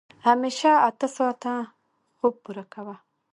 همېشه اته ساعته خوب پوره کوه.